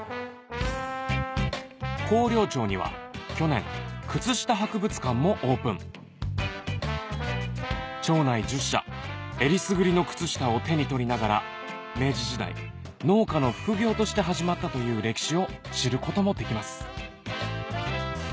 広陵町には去年くつした博物館もオープン町内１０社えりすぐりの靴下を手に取りながら明治時代農家の副業として始まったという歴史を知ることもできます